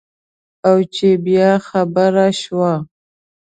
او چې بیا خبره شوه.